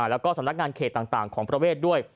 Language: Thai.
แล้วก็สำนักงานเขตต่างของประเวทด้วย